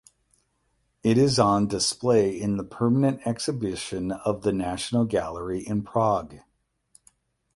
It is on display in the permanent exhibition of the National Gallery in Prague.